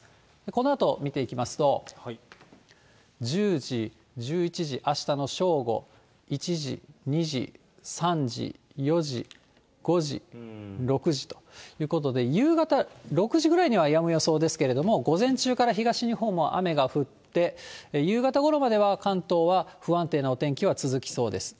このあと見ていきますと、１０時、１１時、あしたの正午、１時、２時、３時、４時、５時、６時ということで、夕方６時ぐらいにはやむ予想ですけれども、午前中から東日本は雨が降って、夕方ごろまでは関東は不安定なお天気は続きそうです。